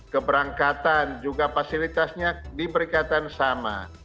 keberangkatan juga fasilitasnya diberikan sama